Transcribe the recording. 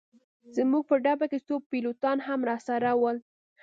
زموږ په ډبه کي څو پیلوټان هم راسره ول.